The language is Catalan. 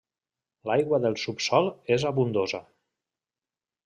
L'aigua del subsòl és abundosa.